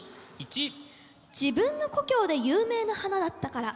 自分の故郷で有名な花だったから。